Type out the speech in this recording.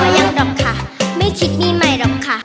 อ๋อยังหรอกค่ะไม่คิดมีใหม่หรอกค่ะ